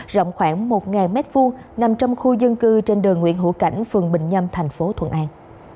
rộng khoảng một m hai nằm trong khu dân cư trên đường nguyễn hữu cảnh phường bình nhâm thành phố thuận an